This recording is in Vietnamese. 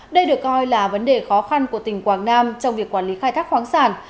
đây được coi là vấn đề khó khăn của tỉnh quảng nam trong việc quản lý khai thác khoáng sản